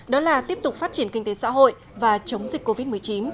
đó là tiếp tục phát triển kinh tế xã hội và chống dịch covid một mươi chín